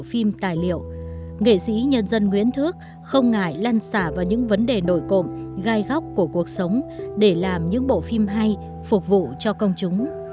phim tài liệu nghệ sĩ nhân dân nguyễn thước không ngại lăn xả vào những vấn đề nổi cộng gai góc của cuộc sống để làm những bộ phim hay phục vụ cho công chúng